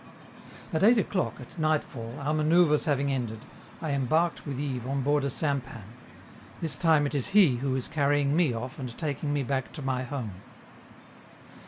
At eight o'clock, at nightfall, our manoeuvres having ended, I embarked with Yves on board a sampan; this time it is he who is carrying me off and taking me back to my home.